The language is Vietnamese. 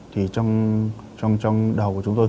thì trong đầu của chúng tôi